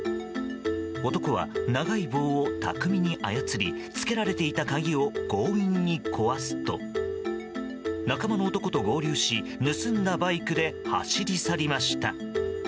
男は、長い棒を巧みに操りつけられていた鍵を強引に壊すと仲間の男と合流し盗んだバイクで走り去りました。